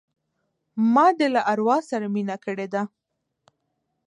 ما دي له اروا سره مینه کړې ده